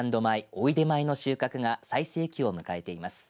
おいでまいの収穫が最盛期を迎えています。